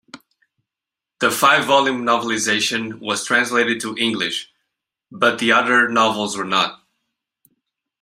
The five-volume novelization was translated to English, but the other novels were not.